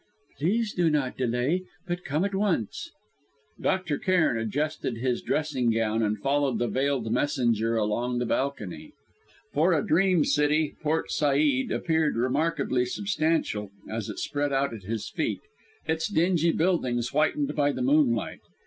"Please do not delay, but come at once." Dr. Cairn adjusted his dressing gown, and followed the veiled messenger along the balcony. For a dream city, Port Said appeared remarkably substantial, as it spread out at his feet, its dingy buildings whitened by the moonlight.